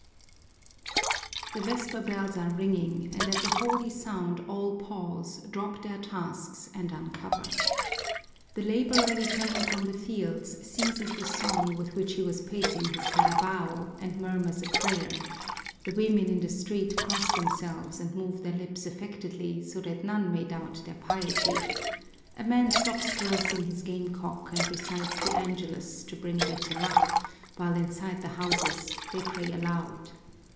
The vesper bells are ringing, and at the holy sound all pause, drop their tasks, and uncover. The laborer returning from the fields ceases the song with which he was pacing his carabao and murmurs a prayer, the women in the street cross themselves and move their lips affectedly so that none may doubt their piety, a man stops caressing his game cock and recites the angelus to bring better luck, while inside the houses they pray aloud.